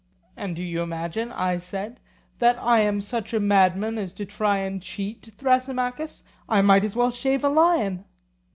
And do you imagine, I said, that I am such a madman as to try and cheat, Thrasymachus? I might as well shave a lion.